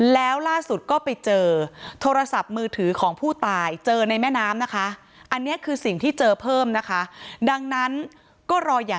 แล้วล่าสุดก็ไปเจอโทรศัพท์มือถือของผู้ตายเจอในแม่น้ำนะคะ